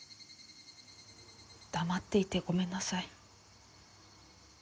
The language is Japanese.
黙っていてごめんなさい。